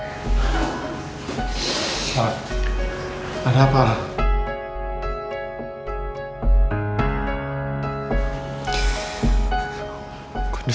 gimana keadaan mbak andin